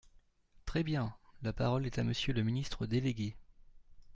Très bien ! La parole est à Monsieur le ministre délégué.